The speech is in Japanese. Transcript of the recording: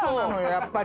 やっぱり。